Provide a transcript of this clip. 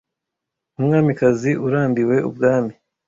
nkumwamikazi urambiwe ubwami